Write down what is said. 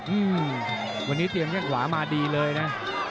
อืมวันนี้เตรียมแค่งขวามาดีเลยนะ